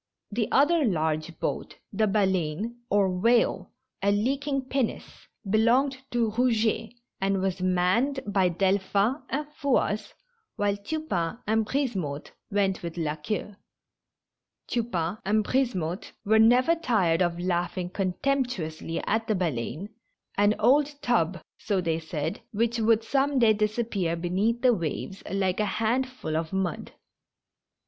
The other large boat, the Baleine (Whale), a leaking pinnace, belonged to Eouget, and was manned 202 THE MAKES AND THE FLOCHES. by Delpliin and Fouasse, while Tupain and Brlsemotte went with La Queue. Tupain and Brisemotte were never tired of laughing contemptuously at the Baleine^ an old tub, so they said, which would some day disap pear beneath the waves like a handful of mud.